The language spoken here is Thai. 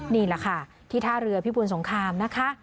นี่แหละค่ะที่ท่าเรือพิบูรสงครามนะคะ